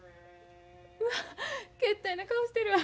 うわけったいな顔してるわ。